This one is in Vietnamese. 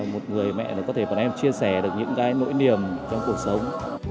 một người mẹ có thể bọn em chia sẻ được những cái nỗi niềm trong cuộc sống